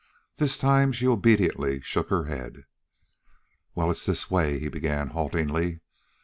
This time she obediently shook her head. "Well, it's this way," he began haltingly.